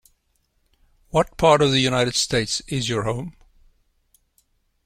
What part of the United States is your home.